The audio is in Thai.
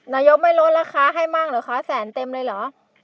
นายบไม่ลงราคาให้งั้นแหมละะ